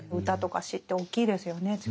歌とか詩って大きいですよね